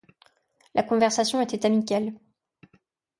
La conversation était amicale.